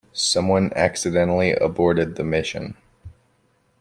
Someone accidentally aborted the mission.